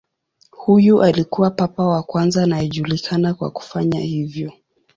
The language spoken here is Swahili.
Huyu alikuwa papa wa kwanza anayejulikana kwa kufanya hivyo.